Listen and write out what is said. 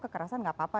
kekerasan gak apa apa